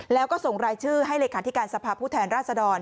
แล้วก็ส่งรายชื่อให้เลขาธิการสภาพผู้แทนราชดร